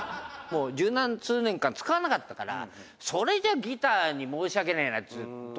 「もう十数年間使わなかったからそれじゃギターに申し訳ないなっつうところもあって」